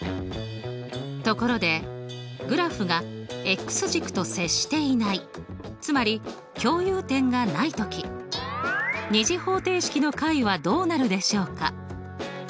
ところでグラフが軸と接していないつまり共有点がない時２次方程式の解はどうなるでしょうか？